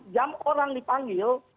enam jam orang dipanggil